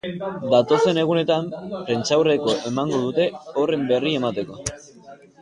Datozen egunetan prentsaurrekoa emango dute horren berri emateko.